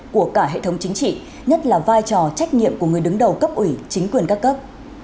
của cả hệ thống chính trị nhất là vai trò trách nhiệm của người đứng đầu cấp ủy chính quyền các cấp